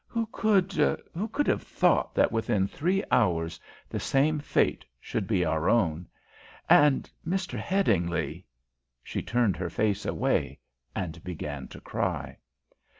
Who could, who could have thought that within three hours the same fate should be our own? And Mr. Headingly ," she turned her face away and began to cry.